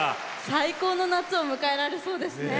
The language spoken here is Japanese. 最高の夏を迎えられそうですね。